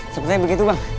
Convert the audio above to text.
sepertinya begitu bang